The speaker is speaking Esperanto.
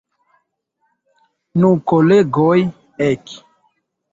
Nu, kolegoj, ek!